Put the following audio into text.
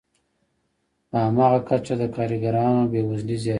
په هماغه کچه د کارګرانو بې وزلي زیاتېږي